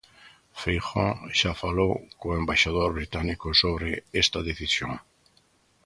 Feijóo xa falou co embaixador británico sobre esta decisión.